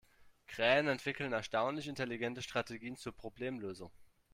Krähen entwickeln erstaunlich intelligente Strategien zur Problemlösung.